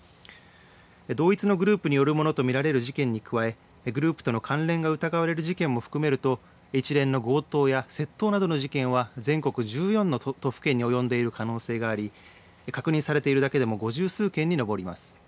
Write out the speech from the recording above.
同一のグループによるものと見られる事件に加えグループとの関連が疑われる事件も含めると一連の強盗や窃盗などの事件は全国１４の都府県に及んでいる可能性があり確認されているだけでも五十数件に上ります。